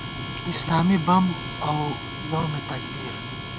اسلامی بم اؤ یومِ تکبیر